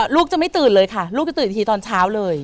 ลูกจะไม่ตื่นเลยค่ะลูกจะตื่นอีกทีตอนเช้าเลย